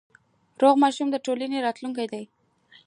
روغ ماشوم د ټولنې راتلونکی دی۔